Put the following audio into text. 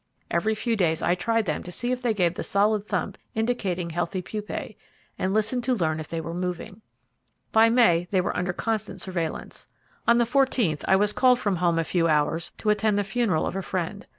Every few days I tried them to see if they gave the solid thump indicating healthy pupae, and listened to learn if they were moving. By May they were under constant surveillance. On the fourteenth I was called from home a few hours to attend the funeral of a friend.